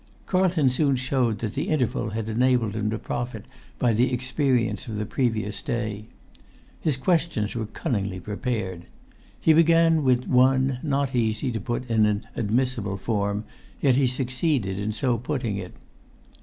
Carlton soon showed that the interval had enabled him to profit by the experience of the previous day. His questions were cunningly prepared. He began with one not easy to put in an admissible form, yet he succeeded in so putting it.